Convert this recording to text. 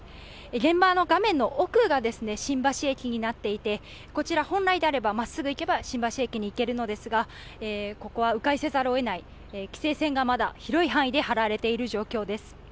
現場、画面の奥が新橋駅になっていて、こちら本来であればまっすぐ行けば新橋駅に行けるのですがここは、う回せざるをえない、規制線がまだ広い範囲で張られている状況です。